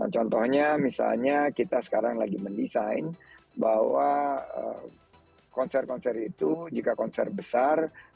contohnya misalnya kita sekarang lagi mendesain bahwa konser konser itu jika konser besar